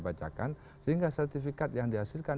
bacakan sehingga sertifikat yang dihasilkan